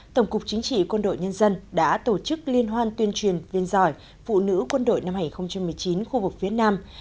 tổng cục chính trị quân đội nhân dân đã tổ chức liên hoan tuyên truyền viên giỏi phụ nữ quân đội năm hai nghìn một mươi chín khu vực phía nam